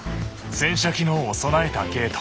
洗車機能を備えたゲート。